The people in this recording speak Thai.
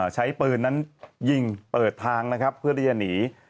ใช้ปืนนั้นยิงเปิดทางนะครับเพื่อที่จะหนี